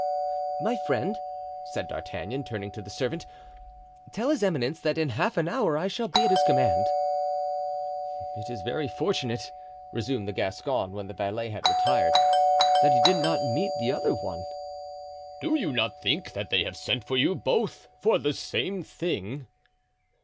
"My friend," said D'Artagnan, turning to the servant, "tell his eminence that in half an hour I shall be at his command." "It is very fortunate," resumed the Gascon, when the valet had retired, "that he did not meet the other one." "Do you not think that they have sent for you, both for the same thing?"